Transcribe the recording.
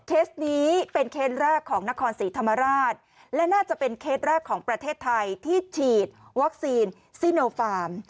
เคสนี้เป็นเคสแรกของนครศรีธรรมราชและน่าจะเป็นเคสแรกของประเทศไทยที่ฉีดวัคซีนซิโนฟาร์ม